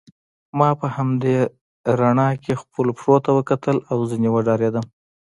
ما په همدې رڼا کې خپلو پښو ته وکتل او ځینې وډارېدم.